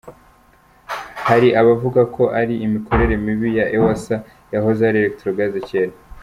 Hari abavuga ko ari imikorere mibi ya Ewsa yahoze ari Electrogaz kera.